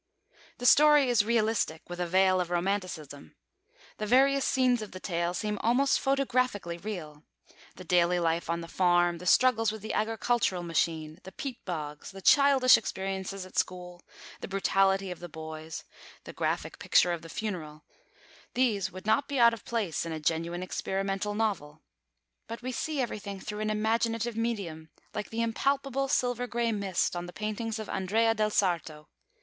The story is realistic, with a veil of Romanticism. The various scenes of the tale seem almost photographically real. The daily life on the farm, the struggles with the agricultural machine, the peat bogs, the childish experiences at school, the brutality of the boys, the graphic picture of the funeral, these would not be out of place in a genuine experimental novel. But we see everything through an imaginative medium, like the impalpable silver grey mist on the paintings of Andrea del Sarto.